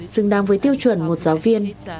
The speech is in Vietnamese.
xứng đáng với tiêu chuẩn một giáo viên